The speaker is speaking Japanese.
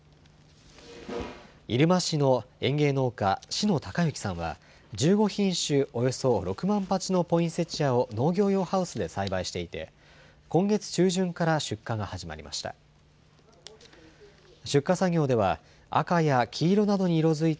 入間市の園芸農家、篠孝幸さんは、１５品種およそ６万鉢のポインセチアを農業用ハウスで栽培していて、今月中旬から出荷が始まりました。